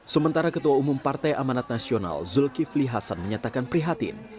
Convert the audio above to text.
sementara ketua umum partai amanat nasional zulkifli hasan menyatakan prihatin